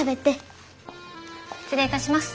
失礼いたします。